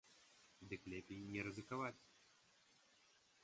Дык лепей не рызыкаваць.